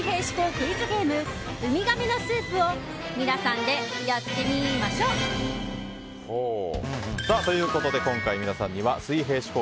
クイズゲームウミガメのスープを皆さんでやってみーましょっ！ということで今回皆さんには水平思考